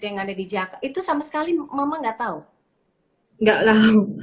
yang ada di jakarta itu sama sekali mama nggak tahu